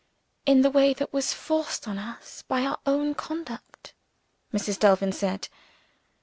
"In the way that was forced on us by our own conduct," Mrs. Delvin said.